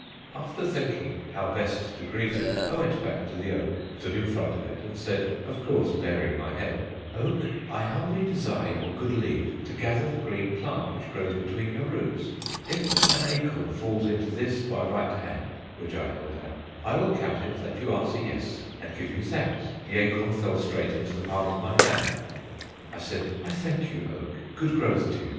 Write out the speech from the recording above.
After thinking how best to greet it, I went back to the oak, stood in front of it and said (of course baring my head): "Oak, I humbly desire your good leave to gather the green plant which grows between your roots. If an acorn falls into this my right hand" (which I held out) "I will count it that you answer yes and give you thanks." The acorn fell straight into the palm of my hand. I said, "I thank you, Oak: good growth to you.